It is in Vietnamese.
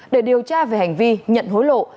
để điều tra về hành vi nhận hối lộ